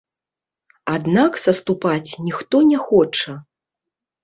Аднак саступаць ніхто не хоча.